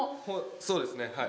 そうですねはい。